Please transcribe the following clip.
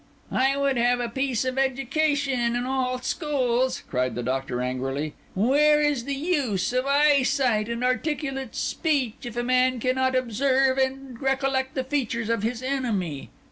"I would have it a piece of education in all schools!" cried the Doctor angrily. "Where is the use of eyesight and articulate speech if a man cannot observe and recollect the features of his enemy?